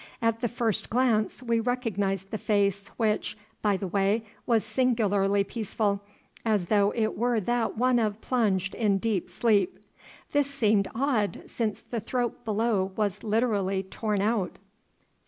At the first glance we recognised the face which, by the way, was singularly peaceful, as though it were that of one plunged in deep sleep. This seemed odd, since the throat below was literally torn out.